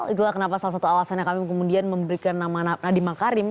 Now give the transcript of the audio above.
itulah kenapa salah satu alasannya kami kemudian memberikan nama nadiem makarim